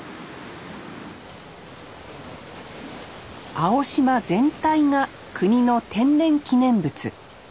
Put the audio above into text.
青島全体が国の天然記念物。